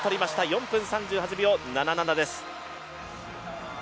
４分３８秒７７です。